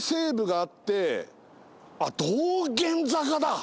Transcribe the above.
あっ道玄坂だ！